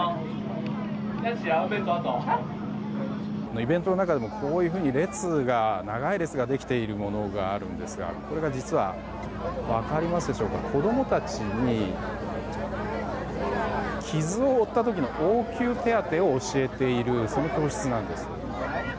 イベントの中でもこういうふうに長い列ができているものがあるんですがこれが実は、子供たちに傷を負った時の応急手当てを教えている、その教室なんです。